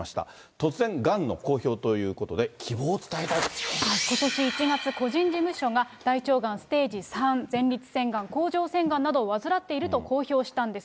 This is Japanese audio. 突然、がんの公表ということで、ことし１月、個人事務所が、大腸がんステージ３、前立腺がん、甲状腺がんなどを患っていると公表したんです。